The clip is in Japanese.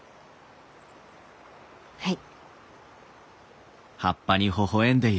はい。